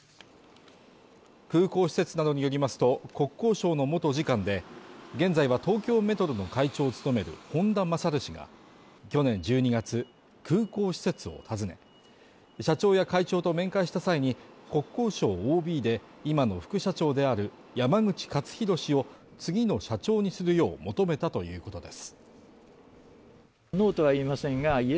空港施設などによりますと、国交省の元次官で、現在は東京メトロの会長を務める本田勝氏が去年１２月、空港施設を訪ね、社長や会長と面会した際に、国交省ＯＢで、今の副社長である山口勝弘氏を次の社長にするよう求めたということです。